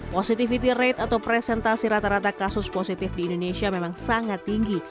positivity rate atau presentasi rata rata kasus positif di indonesia memang sangat tinggi